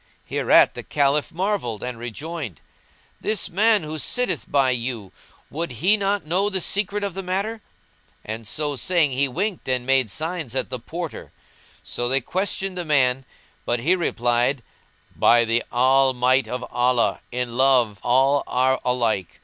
Hereat the Caliph marvelled and rejoined, "This man who sitteth by you, would he not know the secret of the matter?" and so saying he winked and made signs at the Porter. So they questioned the man but he replied, "By the All might of Allah, in love all are alike!